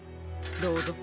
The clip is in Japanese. どうぞ。